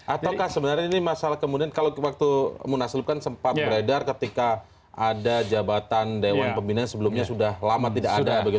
ataukah sebenarnya ini masalah kemudian kalau waktu munaslup kan sempat beredar ketika ada jabatan dewan pembinaan sebelumnya sudah lama tidak ada